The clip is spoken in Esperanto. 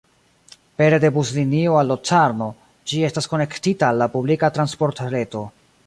Pere de buslinio al Locarno, ĝi estas konektita al la publika transportreto.